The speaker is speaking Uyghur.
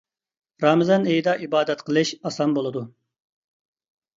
رامىزان ئېيىدا ئىبادەت قىلىش ئاسان بولىدۇ.